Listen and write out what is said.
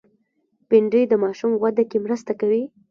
بېنډۍ د ماشوم وده کې مرسته کوي